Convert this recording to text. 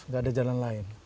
nggak ada jalan lain